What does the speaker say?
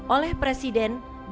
oleh presiden diberi tawaran